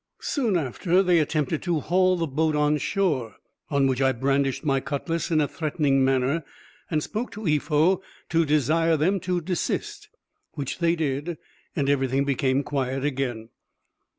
Soon after, they attempted to haul the boat on shore, on which I brandished my cutlass in a threatening manner, and spoke to Eefow to desire them to desist; which they did, and everything became quiet again.